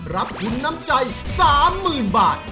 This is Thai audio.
รับคุณน้ำใจ๓หมื่นบาท